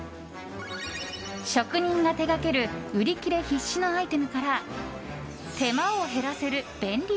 職人が手掛ける売り切れ必至のアイテムから手間を減らせる便利